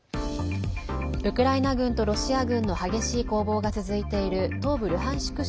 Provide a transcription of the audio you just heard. ウクライナ軍とロシア軍の激しい攻防が続いている東部ルハンシク